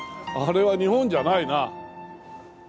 あれは日本じゃないな。